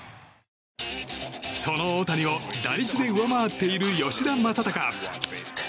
その大谷を打率で上回っている吉田正尚。